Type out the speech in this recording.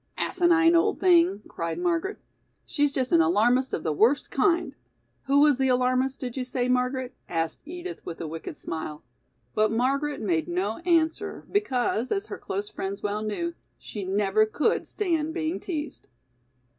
"Asinine old thing," cried Margaret. "She's just an alarmist of the worst kind." "Who was the alarmist, did you say, Margaret?" asked Edith, with a wicked smile. But Margaret made no answer, because, as her close friends well knew, she never could stand being teased.